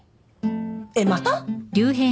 えっまた？